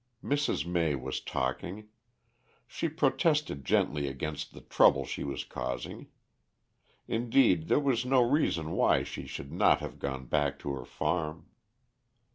Mrs. May was talking. She protested gently against the trouble she was causing. Indeed, there was no reason why she should not have gone back to her farm.